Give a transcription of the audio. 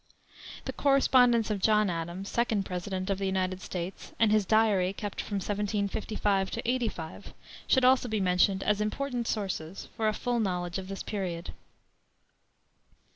The correspondence of John Adams, second President of the United States, and his diary, kept from 1755 85, should also be mentioned as important sources for a full knowledge of this period.